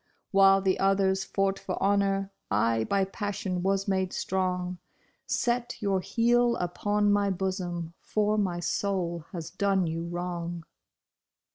While the others fought for honor, I by passion was made strong ; Set your heel upon my bosom for my soul has done you wrong.